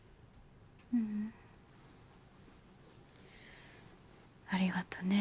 ううんありがとね